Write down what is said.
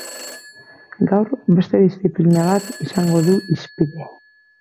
Gaur beste disciplina bat izango du hizpide.